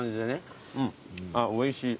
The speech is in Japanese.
あっおいしい。